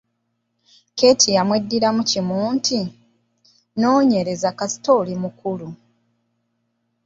Keeti yamweddiramu kimu nti, “Nonyereza kasita oli mukulu”.